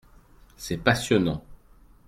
C'est passionnant.